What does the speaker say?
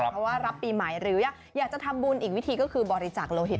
เพราะว่ารับปีใหม่หรืออยากจะทำบุญอีกวิธีก็คือบริจาคโลหิต